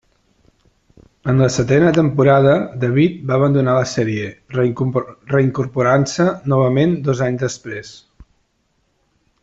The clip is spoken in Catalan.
En la setena temporada, David va abandonar la sèrie, reincorporant-se novament dos anys després.